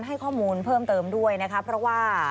ให้ข้อมูลเพิ่มเติมด้วยนะคะเพราะว่า